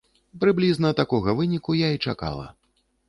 Прыблізна такога выніку я і чакала.